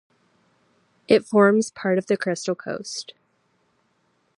It forms part of the Crystal Coast.